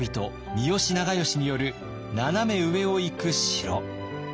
三好長慶によるナナメ上をいく城。